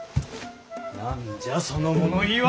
何じゃその物言いは！